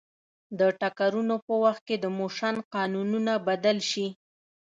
د ټکرونو په وخت د موشن قانونونه بدل شي.